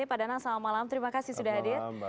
pak danang selamat malam terima kasih sudah hadir